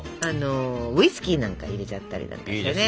ウイスキーなんか入れちゃったりなんかしてね。